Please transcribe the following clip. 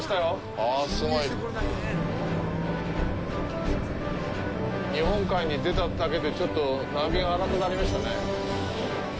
ああ、すごい！日本海に出ただけで、ちょっと波が荒くなりましたね。